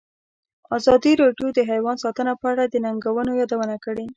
ازادي راډیو د حیوان ساتنه په اړه د ننګونو یادونه کړې.